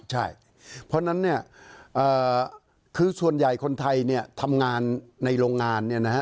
ใช่เพราะฉะนั้นเนี่ยคือส่วนใหญ่คนไทยเนี่ยทำงานในโรงงานเนี่ยนะฮะ